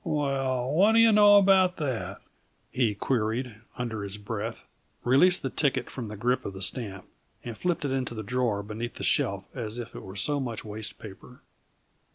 "Well, what do you know about that?" he queried, under his breath, released the ticket from the grip of the stamp, and flipped it into the drawer beneath the shelf as if it were so much waste paper.